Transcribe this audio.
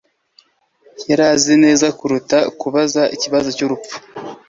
Yari azi neza kuruta kubaza ikibazo cyubupfu.